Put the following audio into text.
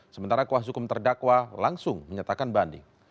sementara kuasa hukum terdakwa langsung menyatakan banding